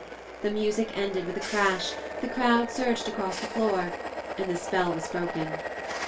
The music ended with a crash, the crowd surged across the floor, and the spell was broken.